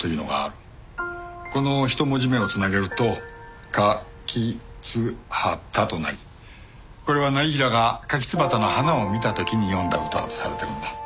この１文字目を繋げると「かきつはた」となりこれは業平がカキツバタの花を見た時に詠んだ歌だとされてるんだ。